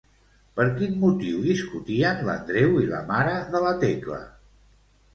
Per quin motiu discutien l'Andreu i la mare de la Tecla?